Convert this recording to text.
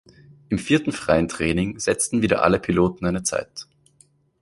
Im vierten freien Training setzten wieder alle Piloten eine Zeit.